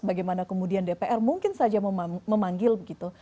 bagaimana kemudian dpr mungkin saja memanggil begitu